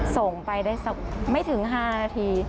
ส่งไปได้สักไม่ถึง๕นาที